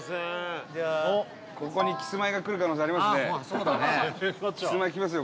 伊達：ここにキスマイが来る可能性ありますね。